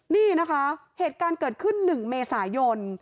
นี่นะคะเหตุการณ์เกิดขึ้น๑เมษายน